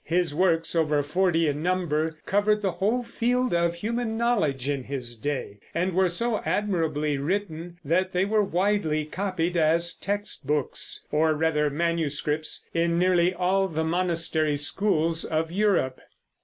His works, over forty in number, covered the whole field of human knowledge in his day, and were so admirably written that they were widely copied as text books, or rather manuscripts, in nearly all the monastery schools of Europe.